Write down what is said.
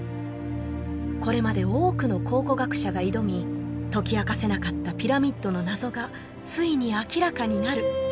これまで多くの考古学者が挑み解き明かせなかったピラミッドの謎がついに明らかになる